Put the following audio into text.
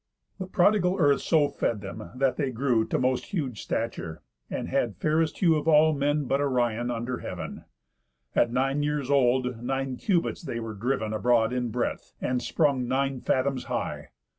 The prodigal earth so fed them, that they grew To most huge stature, and had fairest hue Of all men, but Orion, under heav'n. At nine years old nine cubits they were driv'n Abroad in breadth, and sprung nine fathoms high.